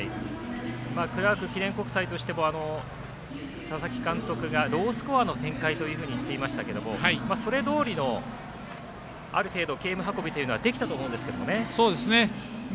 クラーク記念国際としても佐々木監督がロースコアの展開というふうに言っていましたけどそれどおりのある程度ゲーム運びというのはできたと思うんですけどね。